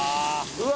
うわ！